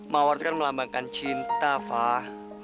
mawar itu kan melambangkan cinta pak